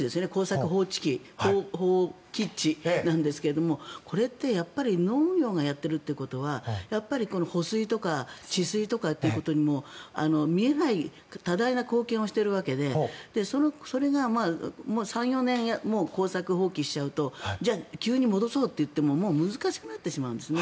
耕作放棄地なんですがこれってやっぱり農業がやってるということはやっぱり保水とか治水とかということにも見えない、多大な貢献をしているわけでそれが３４年耕作放棄しちゃうとじゃあ急に戻そうといっても難しくなってくるんです。